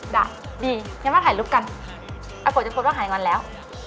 ด่ะดียังไม่ถ่ายรูปกันอัฟโฟตจะพบว่าหายงวันแล้ว